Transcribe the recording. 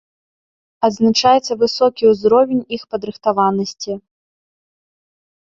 Адзначаецца высокі ўзровень іх падрыхтаванасці.